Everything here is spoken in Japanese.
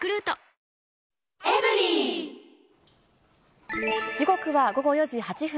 わかるぞ時刻は午後４時８分。